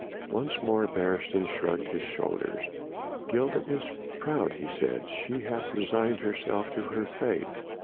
Once more Beresteyn shrugged his shoulders. "Gilda is proud," he said. "She hath resigned herself to her fate."